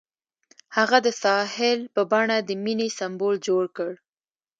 هغه د ساحل په بڼه د مینې سمبول جوړ کړ.